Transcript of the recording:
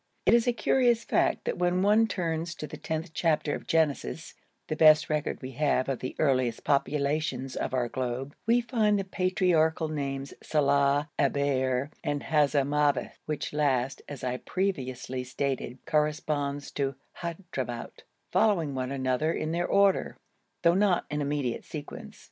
It is a curious fact that when one turns to the tenth chapter of Genesis (the best record we have of the earliest populations of our globe) we find the patriarchal names Salah, Eber, and Hazarmaveth (which last, as I previously stated, corresponds to Hadhramout) following one another in their order, though not in immediate sequence.